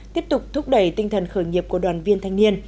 tiếp tục thúc đẩy tinh thần khởi nghiệp của đoàn viên thanh niên